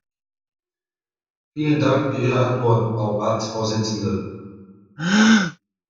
Vielen Dank für Ihre Antwort, Frau Ratsvorsitzende.